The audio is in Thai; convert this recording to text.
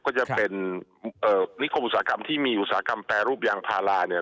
ก็จะเป็นนิคมอุตสาหกรรมที่มีอุตสาหกรรมแปรรูปยางพาราเนี่ย